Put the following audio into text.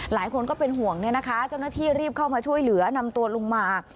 หลายคนก็เป็นห่วงเนี่ยนะคะเจ้าหน้าที่รีบเข้ามาช่วยเหลือนำตัวลงมา